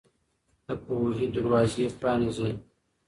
د پوهې دروازې پرانيزئ.